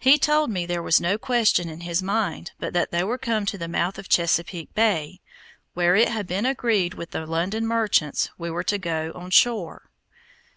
He told me there was no question in his mind but that we were come to the mouth of Chesapeake Bay, where it had been agreed with the London merchants we were to go on shore.